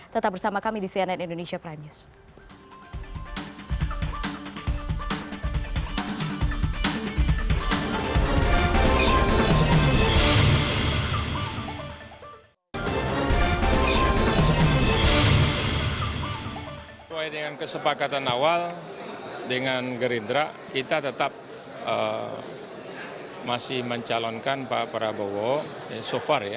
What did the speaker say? tetap bersama kami di cnn indonesia prime news